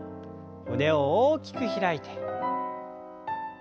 胸を大きく開いて。